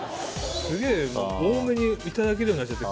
すげぇ多めに頂けるようになっちゃってる。